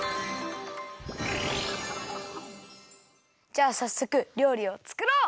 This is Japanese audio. じゃあさっそくりょうりをつくろう！